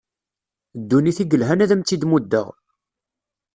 Ddunit i yelhan ad am-tt-id muddeɣ.